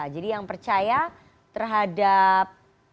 jadi yang percaya terhadap